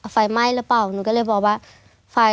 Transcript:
ไฟไหม้หรือเปล่าหนูก็เลยบอกว่าไฟ